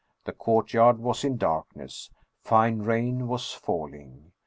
The courtyard was in darkness. Fine rain was fall ing.